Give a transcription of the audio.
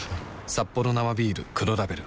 「サッポロ生ビール黒ラベル」